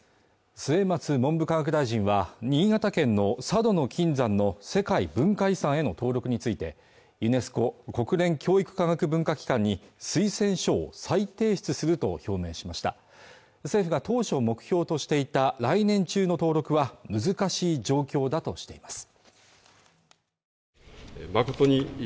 末松文部科学大臣は新潟県の佐渡の金山の世界文化遺産への登録についてユネスコ＝国連教育科学文化機関に推薦書を再提出すると表明しました政府が当初目標としていた来年中の登録は難しい状況だとしています